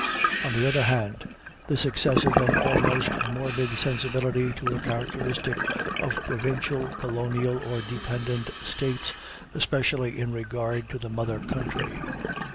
On the other hand, this excessive and almost morbid sensibility is a characteristic of provincial, colonial, or dependent states, especially in regard to the mother country.